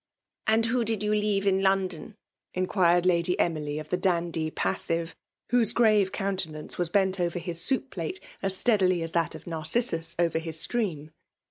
" And who did you leave in London ?'• inquired Lady Emily of the dandy passive whose grave countenance was bent over his soup plate as steadily as that of Narcissus over his stream.